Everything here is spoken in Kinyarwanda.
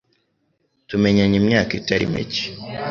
Tumenyanye imyaka itari mike.